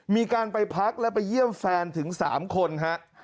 มีการไปพักและไปเยี่ยมแฟนถึง๓คนฮะ